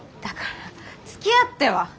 だからつきあっては。